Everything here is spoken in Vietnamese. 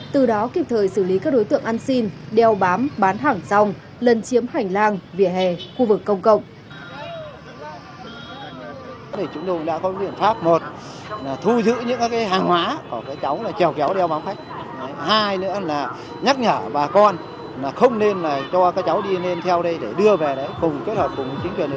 từ đó kịp thời xử lý các đối tượng ăn xin đeo bám bán hàng rong lân chiếm hành lang vỉa hè khu vực công cộng